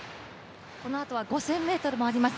このあとは５０００ｍもあります